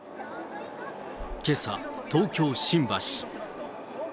けさ、東京・新橋。